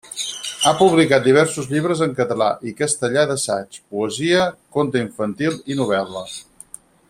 Ha publicat diversos llibres en català i castellà d'assaig, poesia, conte infantil i novel·la.